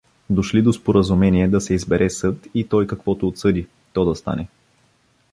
Дошли до споразумение да се избере съд и той каквото отсъди, то да стане.